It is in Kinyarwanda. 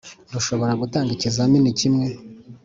rushobora gutanga ikizamini kimwe